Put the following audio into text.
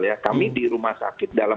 ya kami di rumah sakit dalam